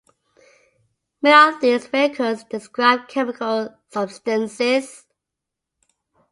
Many of these records describe chemical substances.